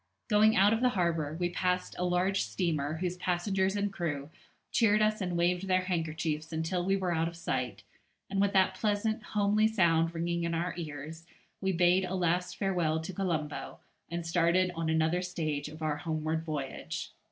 Going out of harbour we passed a large steamer whose passengers and crew cheered us and waved their handkerchiefs until we were out of sight, and with that pleasant homely sound ringing in our ears we bade a last farewell to Colombo, and started on another stage of our homeward voyage.